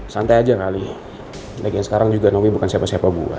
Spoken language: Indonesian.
santai aja kali lagian sekarang juga naomi bukan sepa sepa buah